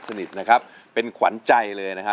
สนิทนะครับเป็นขวัญใจเลยนะฮะ